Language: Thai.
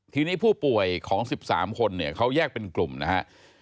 ทีนี้ผู้ป่วยของ๑๓คนเนี่ยเขาแยกเป็นกลุ่มนะครับ